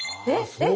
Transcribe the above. えっ！